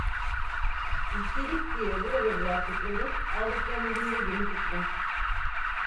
İşçilik diye burada bıraktıkları, aldıklarının binde birini tutmaz.